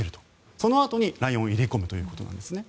そのあとにライオンを入れ込むということなんですね。